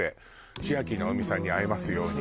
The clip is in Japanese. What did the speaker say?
「ちあきなおみさんに会えますように」